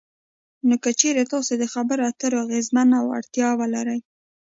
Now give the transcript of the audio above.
نو که چېرې تاسې دخبرو اترو اغیزمنه وړتیا ولرئ